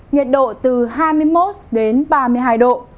nhiệt độ từ hai mươi một đến ba mươi hai độ